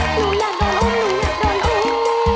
หนูอยากโดนอุ้มหนูอยากโดนอุ้ม